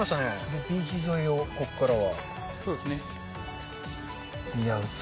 ビーチ沿いをここからは。